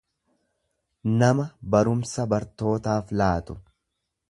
nama barumsa bartootaaf laatu.